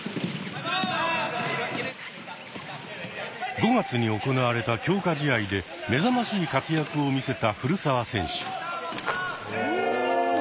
５月に行われた強化試合で目覚ましい活躍を見せた古澤選手。